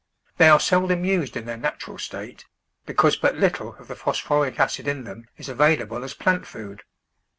They are seldom used in their natural state, be cause but little of the phosphoric acid in them is available as plant food.